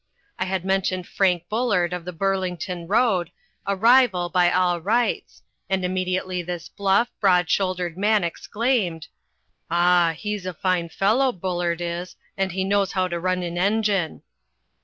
I had mentioned Frank Bullard of the Burlington road, a rival by all rights, and immediately this bluff, broad shouldered man exclaimed: "Ah, he's a fine fellow, Bullard is, and he knows how to run an engine."